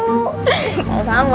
gak ada sama